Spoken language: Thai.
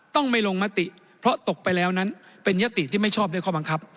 ต้องไม่ลงมติเพราะตกไปแล้วนั้นเป็นยติที่ไม่ชอบด้วยข้อบังคับ